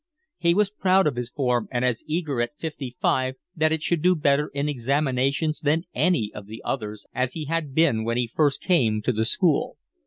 He was proud of his form and as eager at fifty five that it should do better in examinations than any of the others as he had been when he first came to the school.